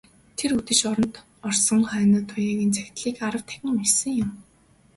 Тэр үдэш оронд орсон хойноо Туяагийн захидлыг арав дахин уншсан юм.